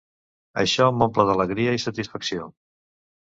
Això m’omple d’alegria i satisfacció.